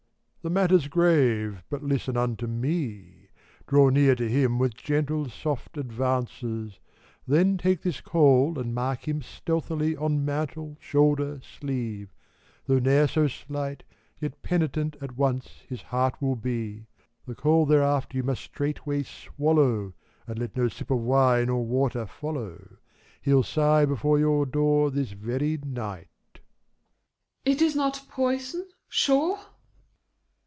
The matter's grave, but listen unto me ! Draw near to him with gentle, soft advances; Then take this coal and mark him stealthily On mantle, shoulder, sleeve, — though ne'er so slight, Yet penitent at once his heart will be. The coal thereafter you must straightway swallow, And let no sip of wine or water follow : Hell sigh before your door this very night. THE LADY. It is not poison, sure?